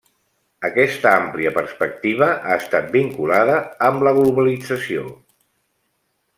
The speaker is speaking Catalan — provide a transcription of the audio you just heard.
Aquesta àmplia perspectiva ha estat vinculada amb la globalització.